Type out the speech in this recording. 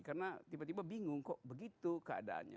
karena tiba tiba bingung kok begitu keadaannya